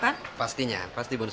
kapten pratas pksen dan wilayah abang